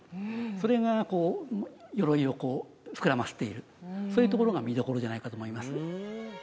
それがこう鎧を膨らましているそういうところが見どころじゃないかと思います